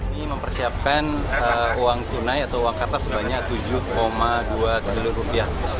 ini mempersiapkan uang tunai atau uang kata sebanyak tujuh dua triliun rupiah